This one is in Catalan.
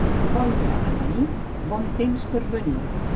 Boira a Pení, bon temps per venir.